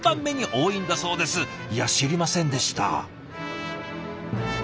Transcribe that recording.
いや知りませんでした。